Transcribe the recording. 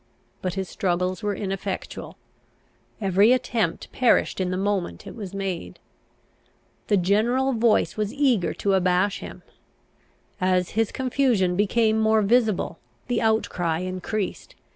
But his struggles were ineffectual; every attempt perished in the moment it was made. The general voice was eager to abash him. As his confusion became more visible, the outcry increased.